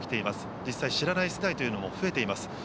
実際、知らない世代というのも増えています。